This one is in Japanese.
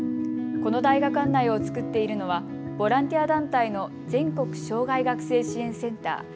この大学案内を作っているのはボランティア団体の全国障害学生支援センター。